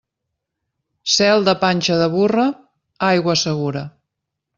Cel de panxa de burra? Aigua segura.